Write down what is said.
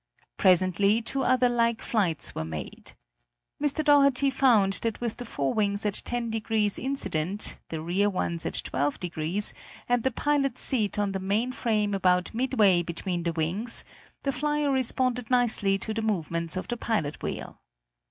Presently two other like flights were made. Mr. Doherty found that with the forewings at 10° incidence, the rear ones at 12°, and the pilot's seat on the main frame about midway between the wings, the flier responded nicely to the movements of the pilot wheel.